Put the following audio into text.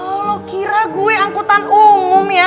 oh lo kira gue angkutan umum ya